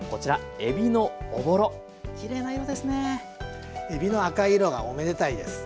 えびの赤い色がおめでたいです。